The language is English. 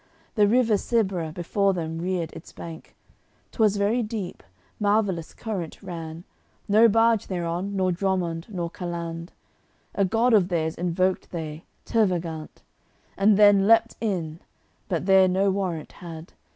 The River Sebre before them reared its bank, 'Twas very deep, marvellous current ran; No barge thereon nor dromond nor caland. A god of theirs invoked they, Tervagant. And then leaped in, but there no warrant had.